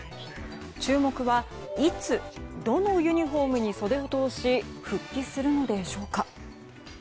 注目は、いつどのユニホームに袖を通し復帰するのでしょうか。